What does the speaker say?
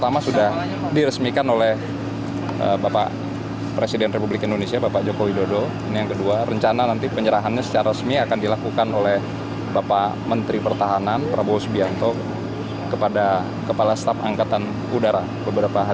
tiga meja untuk menghafalh